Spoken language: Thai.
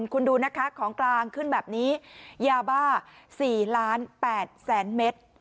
คุณดูนะคะของกลางขึ้นแบบนี้ยาบ้า๔ล้าน๘แสนเมตร